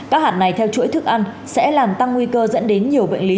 các hạt này theo chuỗi thức ăn sẽ làm tăng nguy cơ dẫn đến nhiều bệnh lý